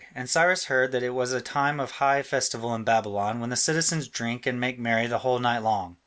And Cyrus heard that it was a time of high festival in Babylon when the citizens drink and make merry the whole night long.